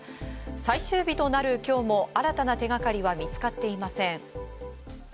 最終日となる今日も新たな手がかりは見つかっていません。